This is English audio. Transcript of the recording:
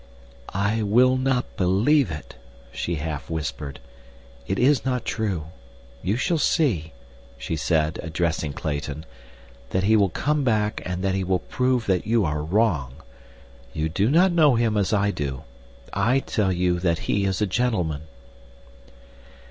"I will not believe it," she half whispered. "It is not true. You shall see," she said, addressing Clayton, "that he will come back and that he will prove that you are wrong. You do not know him as I do. I tell you that he is a gentleman."